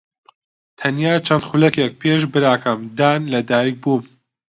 تەنیا چەند خولەکێک پێش براکەم دان لەدایکبووم.